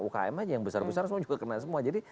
ukm aja yang besar besar semua juga kena semua jadi